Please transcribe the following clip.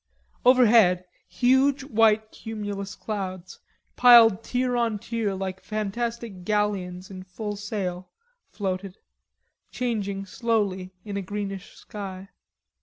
Overhead huge white cumulus clouds, piled tier on tier like fantastic galleons in full sail, floated, changing slowly in a greenish sky.